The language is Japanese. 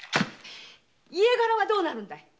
家柄はどうなるんだい？